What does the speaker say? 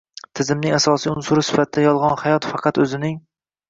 Tizimning asosiy unsuri sifatida “Yolg‘on hayot” faqat o‘zining